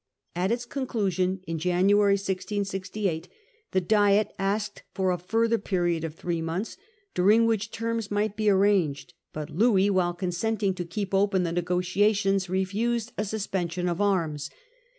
At its conclusion, in January 1668, the Diet asked for a further period of three months during which terms might be arranged ; but Louis, while consenting to keep open the negotiations, refused a suspension of arms.